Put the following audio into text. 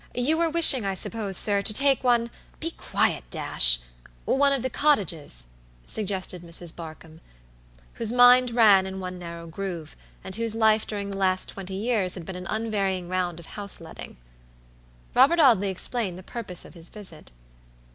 "You were wishing, I suppose, sir, to take onebe quiet, Dashone of the cottages," suggested Mrs. Barkamb, whose mind ran in one narrow groove, and whose life during the last twenty years had been an unvarying round of house letting. Robert Audley explained the purpose of his visit.